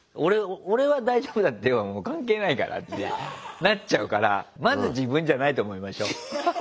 「俺は大丈夫だったよ」は関係ないからあっちなっちゃうからまず自分じゃないと思いましょう。